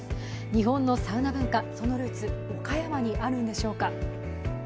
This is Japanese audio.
日本のサウナ文化、そのルーツは岡山にあるんでしょうか。